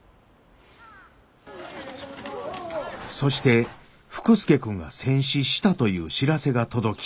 そして福助君が戦死したという知らせが届き。